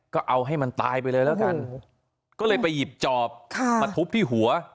ก็เอาให้มันตายไปเลยแล้วกันก็เลยไปหยิบจอบมาทุบที่หัว